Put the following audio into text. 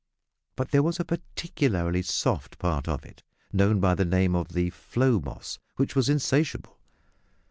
But there was a particularly soft part of it, known by the name of the "flow moss," which was insatiable.